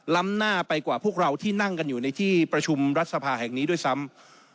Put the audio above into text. หน้าไปกว่าพวกเราที่นั่งกันอยู่ในที่ประชุมรัฐสภาแห่งนี้ด้วยซ้ำ